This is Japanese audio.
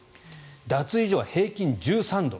脱衣所は平均１３度。